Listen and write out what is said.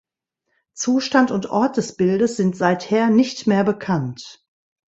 Zustand und Ort des Bildes sind seither nicht mehr bekannt.